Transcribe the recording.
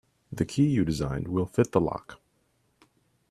The key you designed will fit the lock.